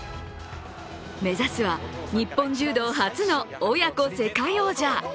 目指すは日本柔道初の親子世界王者。